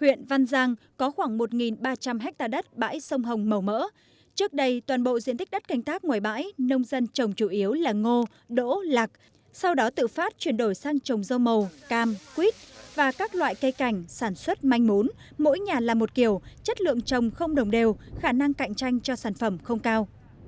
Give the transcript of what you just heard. huyện văn giang có khoảng một ba trăm linh ha đất bãi sông hồng màu mỡ trước đây toàn bộ diện tích đất canh tác ngoài bãi nông dân trồng chủ yếu là ngô đỗ lạc sau đó tự phát chuyển đổi sang trồng dâu màu cam quýt và các loại cây cảnh sản xuất manh mốn mỗi nhà là một kiểu chất lượng trồng không đồng đều khả năng cạnh tranh cho sản phẩm không cao